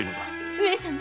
上様